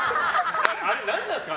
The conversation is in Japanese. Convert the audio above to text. あれ、何なんですか？